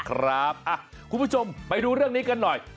คุณผู้ชมไปดูเรื่องนี้กันหน่อย